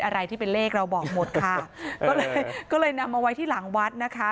อะไรที่เป็นเลขเราบอกหมดค่ะก็เลยก็เลยนำมาไว้ที่หลังวัดนะคะ